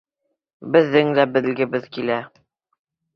Беҙҙең дә белгебеҙ килә.